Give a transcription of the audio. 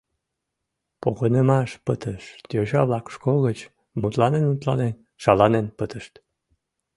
Погынымаш пытыш, йоча-влак школ гыч, мутланен-мутланен, шаланен пытышт.